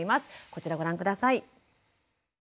こちらご覧下さい。